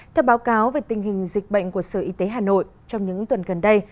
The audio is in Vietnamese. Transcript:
theo báo cáo về tình hình dịch bệnh của sở y tế hà nội trong những tuần gần đây